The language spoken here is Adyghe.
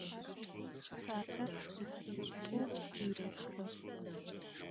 Pşsaşsem txılhit'u yêhı.